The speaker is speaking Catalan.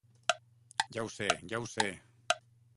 Ja ho sé, ja ho sé!